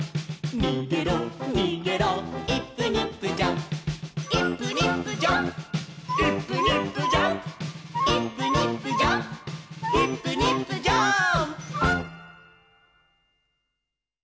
「にげろにげろイップニップジャンプ」「イップニップジャンプイップニップジャンプ」「イップニップジャンプイップニップジャンプ」